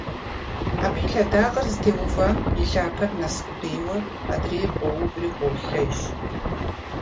Абы и лъэдакъэр зытеувам и лъапэр къэс къудейуэ адрейр къоуври, къолъэж.